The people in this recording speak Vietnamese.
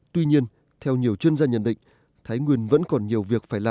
tuy nhiên theo nhiều chuyên gia nhận định thái nguyên vẫn còn nhiều việc phải làm